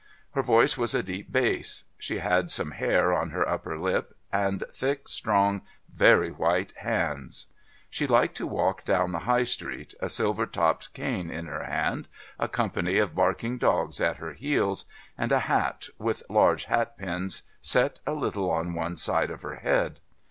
Her voice was a deep bass. She had some hair on her upper lip, and thick, strong, very white hands. She liked to walk down the High Street, a silver topped cane in her hand, a company of barking dogs at her heels, and a hat, with large hat pins, set a little on one side of her head.